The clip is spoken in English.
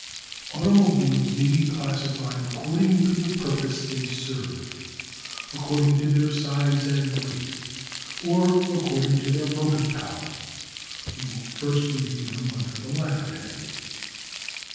Automobiles may be classified according to the purpose they serve, according to their size and weight, or according to their motive power. We will first review them under the latter head.